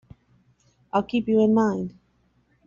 I'll keep you in mind.